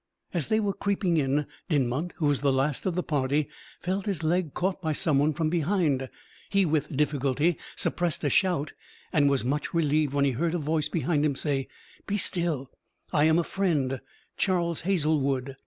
As they were creeping in, Dinmont, who was last of the party, felt his leg caught by someone from behind. He with difficulty suppressed a shout, and was much relieved when he heard a voice behind him say: "Be still, I am a friend Charles Hazlewood."